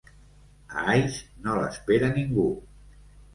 A Aix no l'espera ningú.